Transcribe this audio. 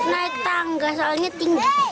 naik tangga soalnya tinggi